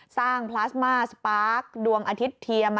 สร้างพลาสมาส์สปาคดวงอาทิตย์เทียม